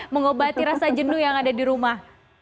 mengobati rasa jenuh yang ada di rumah